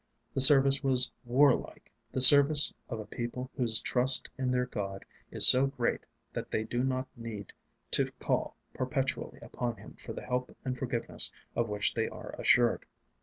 The service was warlike, the service of a people whose trust in their God is so great that they do not need to call perpetually upon Him for the help and forgiveness of which they are assured.